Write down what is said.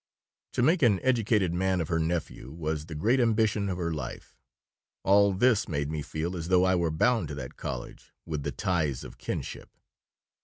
To make an educated man of her nephew was the great ambition of her life. All this made me feel as though I were bound to that college with the ties of kinship.